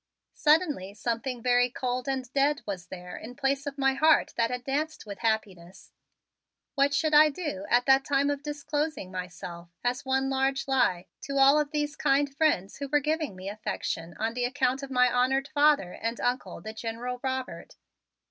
Suddenly something very cold and dead was there in place of my heart that had danced with happiness. What should I do at that time of disclosing myself as one large lie to all of these kind friends who were giving me affection on the account of my honored father and Uncle, the General Robert?